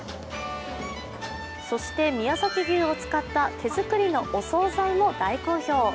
そして、宮崎牛を使った手作りのお総菜も大好評。